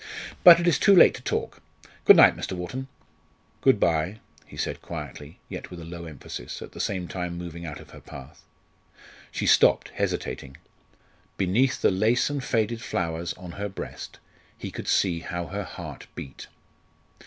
"But it is too late to talk. Good night, Mr. Wharton." "Good bye," he said quietly, yet with a low emphasis, at the same time moving out of her path. She stopped, hesitating. Beneath the lace and faded flowers on her breast he could see how her heart beat.